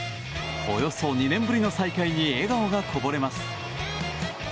およそ２年ぶりの再会に笑顔がこぼれます。